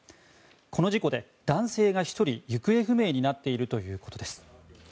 この事故で男性が１人行方不明になっているということです。